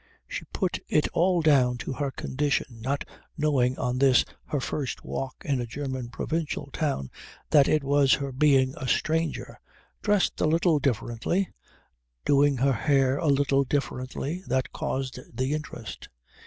She put it all down to her condition, not knowing on this her first walk in a German provincial town that it was her being a stranger, dressed a little differently, doing her hair a little differently, that caused the interest.